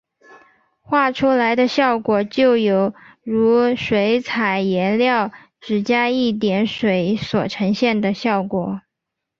画出来的效果就有如水彩颜料只加一点水所呈现的效果。